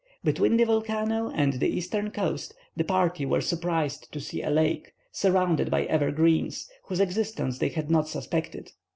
Between the volcano and the eastern coast the party were surprised to see a lake, surrounded by evergreens, whose existence they had not suspected.